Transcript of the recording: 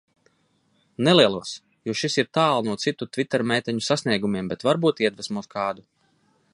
Nelielos, jo šis ir tālu no citu tvitermeiteņu sasniegumiem, bet varbūt iedvesmos kādu.